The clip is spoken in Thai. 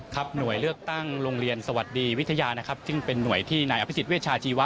หน่วยเลือกตั้งโรงเรียนสวัสดีวิทยานะครับซึ่งเป็นหน่วยที่นายอภิษฎเวชาชีวะ